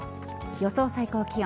予想最高気温。